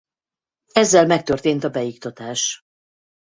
Ezzel megtörtént a beiktatás.